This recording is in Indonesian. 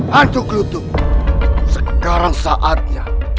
hantu gelutuk sekarang saatnya